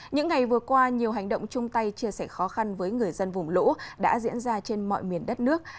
những ngày vừa qua nhiều hành động chung tay chia sẻ khó khăn với người dân vùng lũ đã diễn ra trên mọi miền đất nước